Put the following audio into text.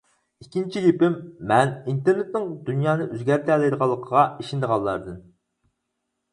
ئىككىنچى گېپىم، مەن ئىنتېرنېتنىڭ دۇنيانى ئۆزگەرتەلەيدىغانلىقىغا ئىشىنىدىغانلاردىن.